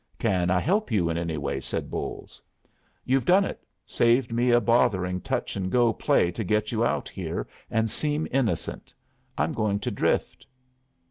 "Can I help you in any way?" said Bolles. "You've done it. Saved me a bothering touch and go play to get you out here and seem innocent. I'm going to drift."